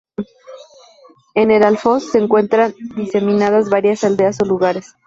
En el alfoz se encuentran diseminadas varias aldeas o lugares.